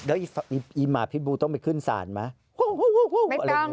แล้วอีหมาพิษบูต้องไปขึ้นศาลไหม